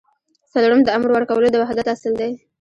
څلورم د امر ورکولو د وحدت اصل دی.